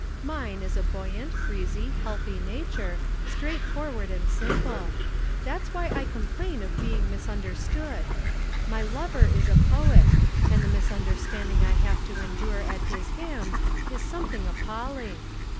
Mine is a buoyant, breezy, healthy nature, straightforward and simple. That's why I complain of being misunderstood. My lover is a poet and the misunderstanding I have to endure at his hands is something appalling.